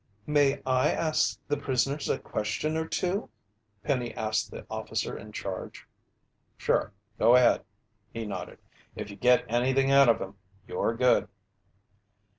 "May I ask the prisoners a question or two?" Penny asked the officer in charge. "Sure, go ahead," he nodded. "If you get anything out of 'em, you're good."